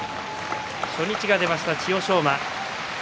初日が出ました千代翔馬。